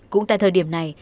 cũng tại thời điểm này